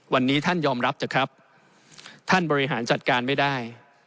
วันนี้ท่านยอมรับเถอะครับท่านบริหารจัดการไม่ได้